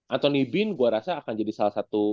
anthony bean gue rasa akan jadi salah satu